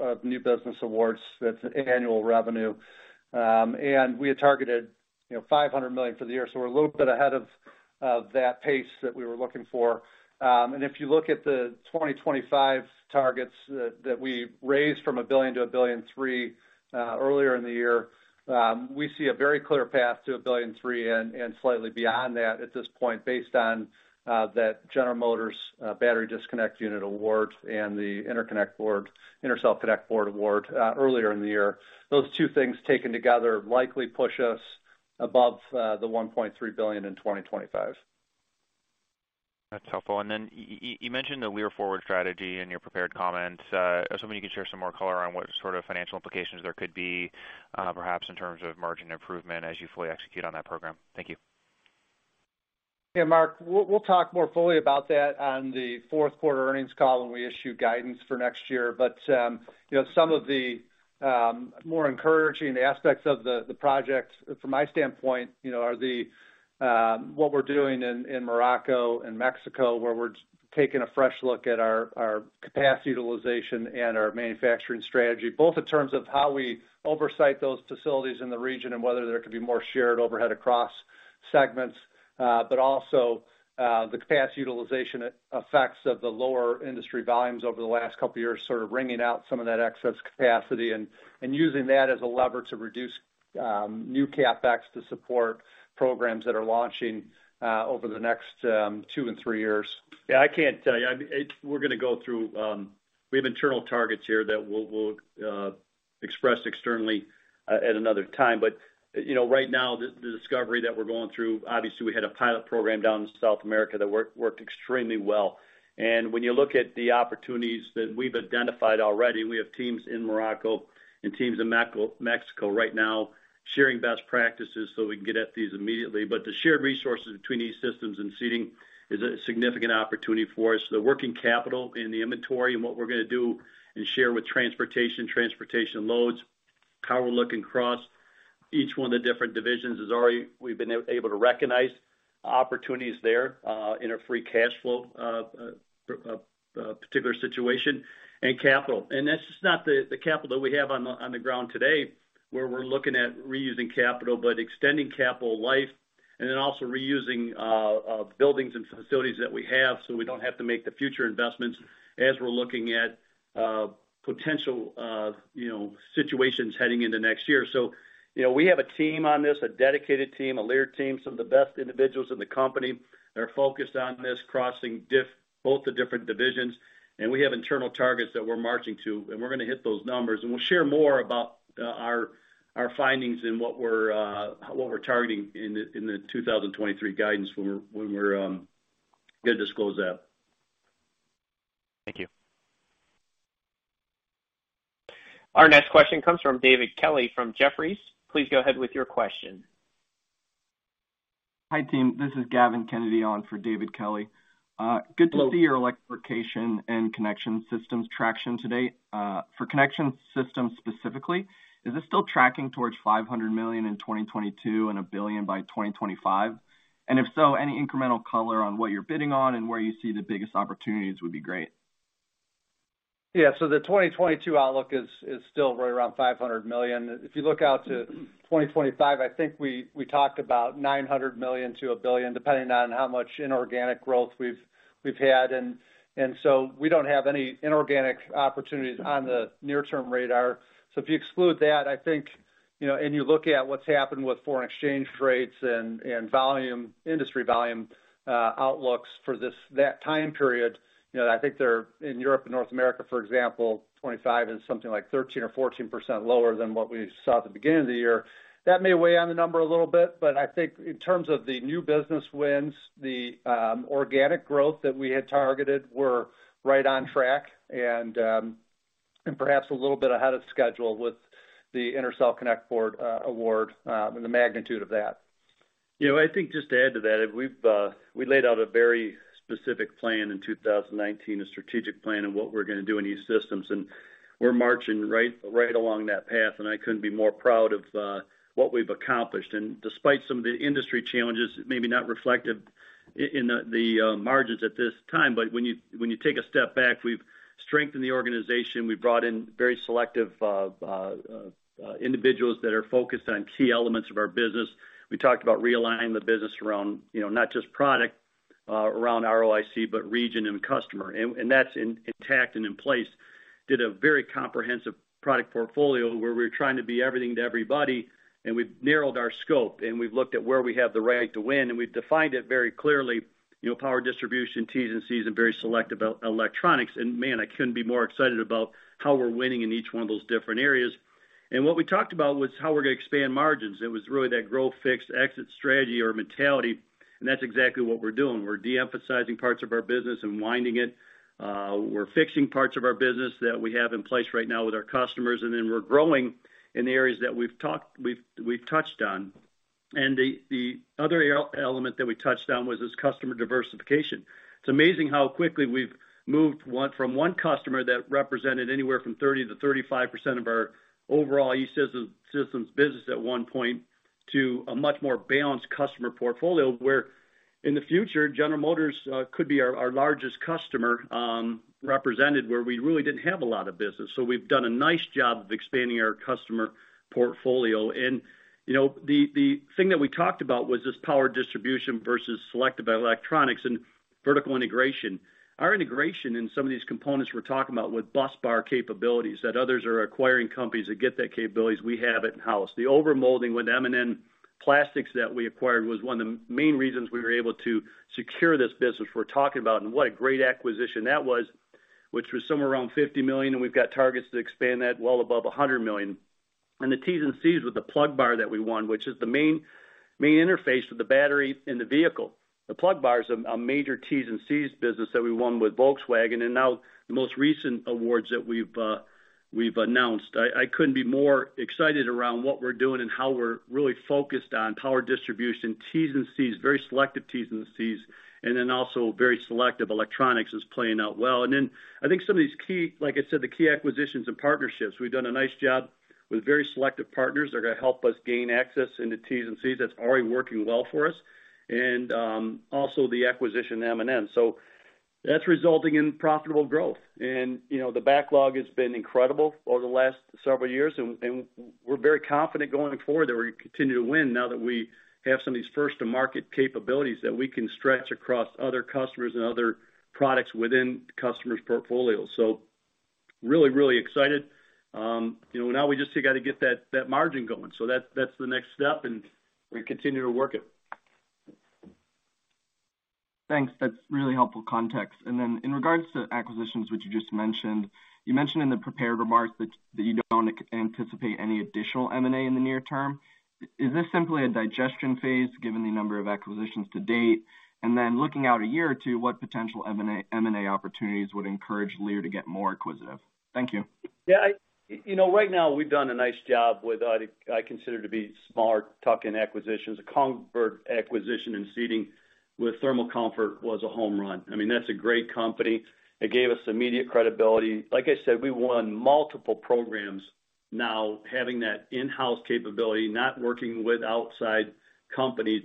of new business awards. That's annual revenue. We had targeted, you know, $500 million for the year. We're a little bit ahead of that pace that we were looking for. If you look at the 2025 targets that we raised from $1 billion to $1.3 billion earlier in the year, we see a very clear path to $1.3 billion and slightly beyond that at this point, based on that General Motors Battery Disconnect Unit award and the Intercell Connect Board award earlier in the year. Those two things taken together likely push us above the $1.3 billion in 2025. That's helpful. You mentioned the Lear Forward strategy in your prepared comments. I was hoping you could share some more color on what sort of financial implications there could be, perhaps in terms of margin improvement as you fully execute on that program. Thank you. Yeah, Mark. We'll talk more fully about that on the fourth quarter earnings call when we issue guidance for next year. You know, some of the more encouraging aspects of the project from my standpoint, you know, are what we're doing in Morocco and Mexico, where we're taking a fresh look at our capacity utilization and our manufacturing strategy, both in terms of how we oversee those facilities in the region and whether there could be more shared overhead across segments. But also, the capacity utilization effects of the lower industry volumes over the last couple of years, sort of wringing out some of that excess capacity and using that as a lever to reduce new CapEx to support programs that are launching over the next two and three years. Yeah, I can't tell you. I mean, we're gonna go through. We have internal targets here that we'll express externally at another time. You know, right now, the discovery that we're going through, obviously, we had a pilot program down in South America that worked extremely well. When you look at the opportunities that we've identified already, we have teams in Morocco and teams in Mexico right now sharing best practices so we can get at these immediately. The shared resources between E-Systems and Seating is a significant opportunity for us. The working capital and the inventory, and what we're gonna do and share with transportation loads, how we're looking across each one of the different divisions is already we've been able to recognize opportunities there in free cash flow, a particular situation and capital. That's just not the capital that we have on the ground today, where we're looking at reusing capital, but extending capital life and then also reusing buildings and facilities that we have, so we don't have to make the future investments as we're looking at potential, you know, situations heading into next year. You know, we have a team on this, a dedicated team, a leader team. Some of the best individuals in the company are focused on this both the different divisions, and we have internal targets that we're marching to, and we're gonna hit those numbers. We'll share more about our findings and what we're targeting in the 2023 guidance when we're gonna disclose that. Thank you. Our next question comes from David Kelley from Jefferies. Please go ahead with your question. Hi, team. This is Gavin Kennedy on for David Kelley. Good to see your Electrification and Connection Systems traction today. For Connection Systems specifically, is this still tracking towards $500 million in 2022 and $1 billion by 2025? If so, any incremental color on what you're bidding on and where you see the biggest opportunities would be great. Yeah. The 2022 outlook is still right around $500 million. If you look out to 2025, I think we talked about $900 million-$1 billion, depending on how much inorganic growth we've had. We don't have any inorganic opportunities on the near-term radar. If you exclude that, I think, you know, and you look at what's happened with foreign exchange rates and volume, industry volume outlooks for that time period, you know, I think they're in Europe and North America, for example, 2025 is something like 13% or 14% lower than what we saw at the beginning of the year. That may weigh on the number a little bit, but I think in terms of the new business wins, the organic growth that we had targeted were right on track and perhaps a little bit ahead of schedule with the Intercell Connect Board award and the magnitude of that. You know, I think just to add to that, we've laid out a very specific plan in 2019, a strategic plan on what we're gonna do in E-Systems. We're marching right along that path, and I couldn't be more proud of what we've accomplished. Despite some of the industry challenges, it may be not reflective in the margins at this time, but when you take a step back, we've strengthened the organization. We've brought in very selective individuals that are focused on key elements of our business. We talked about realigning the business around, you know, not just product, around ROIC, but region and customer. That's intact and in place. We did a very comprehensive product portfolio where we're trying to be everything to everybody, and we've narrowed our scope, and we've looked at where we have the right to win, and we've defined it very clearly, you know, Power Distribution, Ts and Cs, and very selective electronics. Man, I couldn't be more excited about how we're winning in each one of those different areas. What we talked about was how we're gonna expand margins. It was really that grow, fix, exit strategy or mentality, and that's exactly what we're doing. We're de-emphasizing parts of our business and winding it. We're fixing parts of our business that we have in place right now with our customers, and then we're growing in the areas that we've touched on. The other element that we touched on was this customer diversification. It's amazing how quickly we've moved from one customer that represented anywhere from 30%-35% of our overall E-Systems business at one point to a much more balanced customer portfolio, where in the future, General Motors could be our largest customer, represented where we really didn't have a lot of business. We've done a nice job of expanding our customer portfolio. You know, the thing that we talked about was this Power Distribution versus selective electronics and vertical integration. Our integration in some of these components we're talking about with busbar capabilities that others are acquiring companies that get that capabilities, we have it in-house. The overmolding with M&N Plastics that we acquired was one of the main reasons we were able to secure this business we're talking about and what a great acquisition that was, which was somewhere around $50 million, and we've got targets to expand that well above $100 million. The T's and C's with the busbar that we won, which is the main interface with the battery in the vehicle. The busbar is a major T's and C's business that we won with Volkswagen and now the most recent awards that we've announced. I couldn't be more excited around what we're doing and how we're really focused on Power Distribution, T's and C's, very selective T's and C's, and then also very selective electronics is playing out well. I think some of these key, like I said, the key acquisitions and partnerships, we've done a nice job with very selective partners that are gonna help us gain access into T's and C's. That's already working well for us. Also the acquisition, M&N. That's resulting in profitable growth. You know, the backlog has been incredible over the last several years, and we're very confident going forward that we're gonna continue to win now that we have some of these first-to-market capabilities that we can stretch across other customers and other products within customers' portfolios. Really, really excited. You know, now we just got to get that margin going. That's the next step, and we continue to work it. Thanks. That's really helpful context. In regards to acquisitions, which you just mentioned, you mentioned in the prepared remarks that you don't anticipate any additional M&A in the near term. Is this simply a digestion phase given the number of acquisitions to date? Looking out a year or two, what potential M&A opportunities would encourage Lear to get more acquisitive? Thank you. Yeah. You know, right now, we've done a nice job with what I consider to be smart tuck-in acquisitions. Kongsberg acquisition and seating with thermal comfort was a home run. I mean, that's a great company. It gave us immediate credibility. Like I said, we won multiple programs now having that in-house capability, not working with outside companies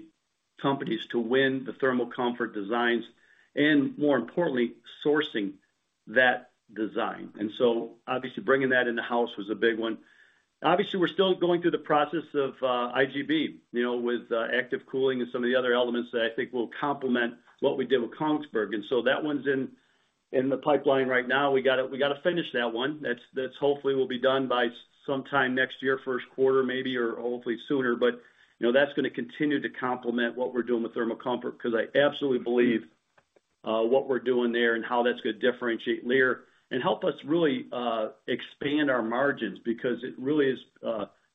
to win the thermal comfort designs and more importantly, sourcing that design. Obviously bringing that in-house was a big one. Obviously, we're still going through the process of I.G. Bauerhin, you know, with active cooling and some of the other elements that I think will complement what we did with Kongsberg. That one's in the pipeline right now. We gotta finish that one. That's hopefully will be done by sometime next year, first quarter maybe, or hopefully sooner. You know, that's gonna continue to complement what we're doing with thermal comfort, because I absolutely believe what we're doing there and how that's gonna differentiate Lear and help us really expand our margins because it really is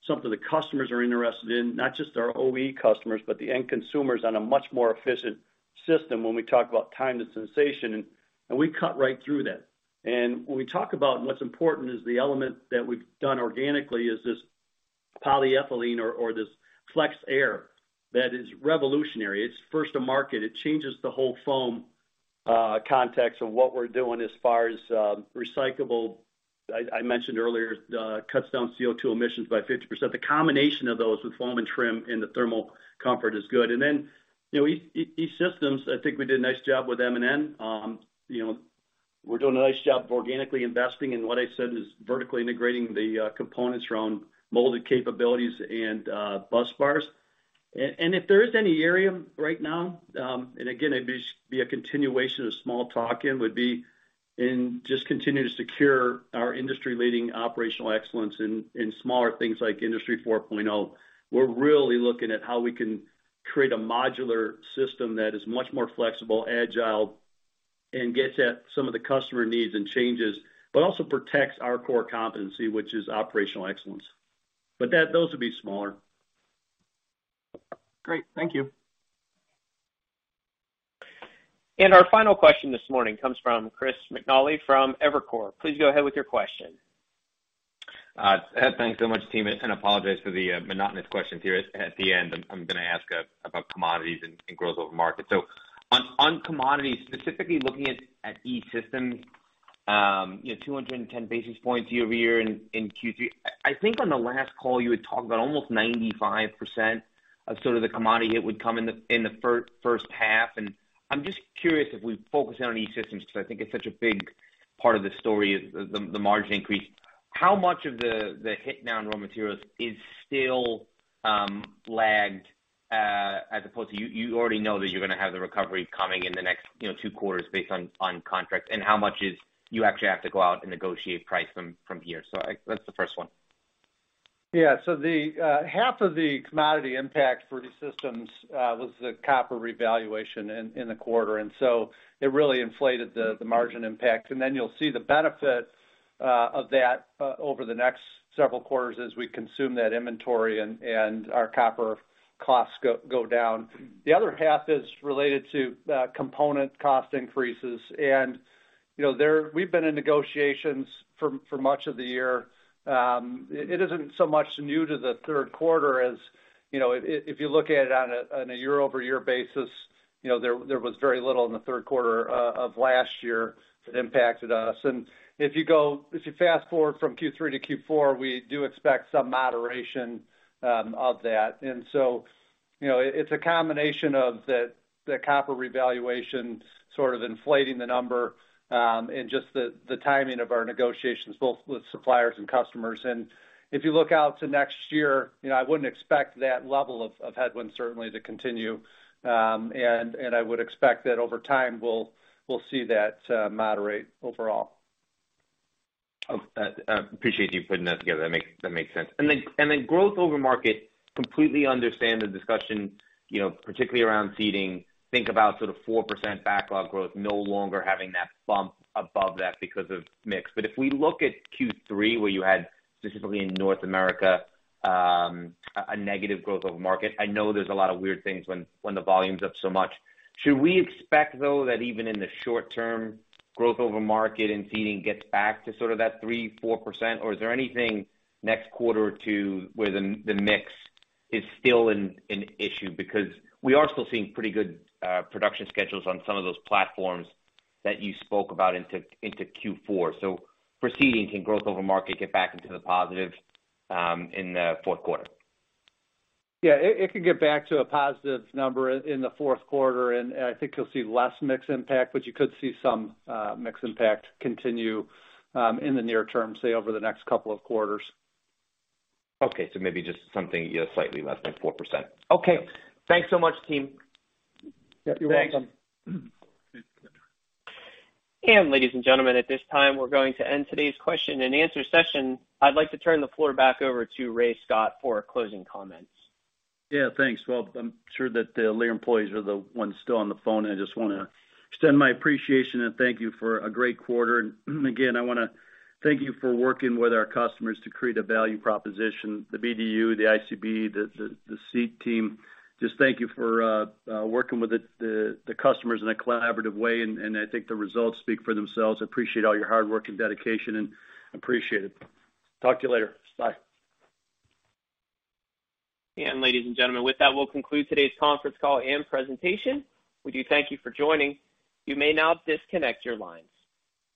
something the customers are interested in, not just our OE customers, but the end consumers on a much more efficient system when we talk about time to sensation, and we cut right through that. When we talk about what's important is the element that we've done organically is this polyethylene or this FlexAir that is revolutionary. It's first to market. It changes the whole foam context of what we're doing as far as recyclable. I mentioned earlier cuts down CO₂ emissions by 50%. The combination of those with foam and trim in the thermal comfort is good. You know, E-Systems, I think we did a nice job with M&N. You know, we're doing a nice job organically investing, and what I said is vertically integrating the components around molded capabilities and busbars. And if there is any area right now, and again, it'd be a continuation of small tuck-in, would be in just continue to secure our industry-leading operational excellence in smaller things like Industry 4.0. We're really looking at how we can create a modular system that is much more flexible, agile, and gets at some of the customer needs and changes, but also protects our core competency, which is operational excellence. But those would be smaller. Great. Thank you. Our final question this morning comes from Chris McNally from Evercore. Please go ahead with your question. Thanks so much, team, and apologize for the monotonous questions here at the end. I'm gonna ask about commodities and growth over market. On commodities, specifically looking at E-Systems, you know, 210 basis points year-over-year in Q3. I think on the last call, you had talked about almost 95% of sort of the commodity hit would come in the first half. I'm just curious if we focus in on E-Systems because I think it's such a big part of the story is the margin increase. How much of the hit now in raw materials is still lagged as opposed to you already know that you're gonna have the recovery coming in the next, you know, two quarters based on contracts, and how much is you actually have to go out and negotiate price from here? That's the first one. The half of the commodity impact for E-Systems was the copper revaluation in the quarter. It really inflated the margin impact. You'll see the benefit of that over the next several quarters as we consume that inventory and our copper costs go down. The other half is related to component cost increases. You know, we've been in negotiations for much of the year. It isn't so much new to the third quarter as, you know, if you look at it on a year-over-year basis, you know, there was very little in the third quarter of last year that impacted us. If you fast-forward from Q3 to Q4, we do expect some moderation of that. You know, it's a combination of the copper revaluation sort of inflating the number, and just the timing of our negotiations, both with suppliers and customers. If you look out to next year, you know, I wouldn't expect that level of headwinds certainly to continue. I would expect that over time, we'll see that moderate overall. Okay. Appreciate you putting that together. That makes sense. Growth over market, completely understand the discussion, you know, particularly around Seating. Think about sort of 4% backlog growth no longer having that bump above that because of mix. If we look at Q3, where you had specifically in North America, a negative growth over market, I know there's a lot of weird things when the volume's up so much. Should we expect, though, that even in the short term, growth over market and Seating gets back to sort of that 3%-4%? Or is there anything next quarter or two where the mix is still an issue? Because we are still seeing pretty good production schedules on some of those platforms that you spoke about into Q4. For Seating, can growth over market get back into the positive in the fourth quarter? Yeah. It could get back to a positive number in the fourth quarter, and I think you'll see less mix impact, but you could see some mix impact continue in the near term, say, over the next couple of quarters. Okay. Maybe just something, you know, slightly less than 4%. Okay. Thanks so much, team. Yep, you're welcome. Ladies and gentlemen, at this time, we're going to end today's question and answer session. I'd like to turn the floor back over to Ray Scott for closing comments. Yeah, thanks. Well, I'm sure that the Lear employees are the ones still on the phone. I just wanna extend my appreciation and thank you for a great quarter. Again, I wanna thank you for working with our customers to create a value proposition. The BDU, the ICB, the seat team, just thank you for working with the customers in a collaborative way, and I think the results speak for themselves. I appreciate all your hard work and dedication, and appreciate it. Talk to you later. Bye. Ladies and gentlemen, with that, we'll conclude today's conference call and presentation. We do thank you for joining. You may now disconnect your lines.